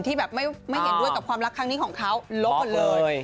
ที่แบบไม่เห็นด้วยกับความรักครั้งนี้ของเขาลบหมดเลย